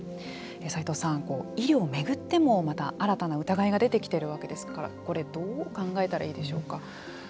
齋藤さん、医療を巡ってもまた新たな疑いが出てきているわけですがこれどう考えたらいいでしょうか。